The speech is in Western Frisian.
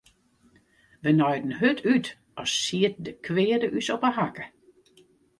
Wy naaiden hurd út as siet de kweade ús op 'e hakke.